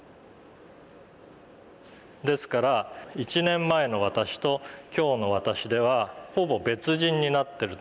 ですから１年前の私と今日の私ではほぼ別人になってる。